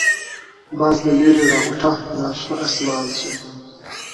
باز له ليري را غوټه له شنه آسمان سو!.